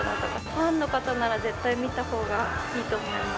ファンの方なら絶対見たほうがいいと思います。